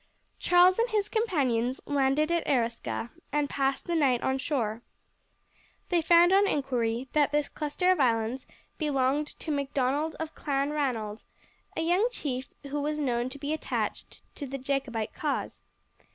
Charles and his companions landed at Erisca and passed the night on shore. They found on inquiry that this cluster of islands belonged to Macdonald of Clanranald, a young chief who was known to be attached to the Jacobite cause.